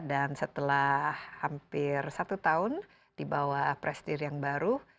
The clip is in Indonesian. dan setelah hampir satu tahun di bawah presidir yang baru